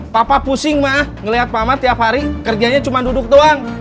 bapak pusing ma ngeliat mama tiap hari kerjanya cuma duduk doang